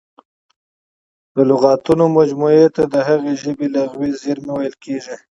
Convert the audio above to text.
د لغاتونو مجموعې ته د هغې ژبي لغوي زېرمه ویل کیږي.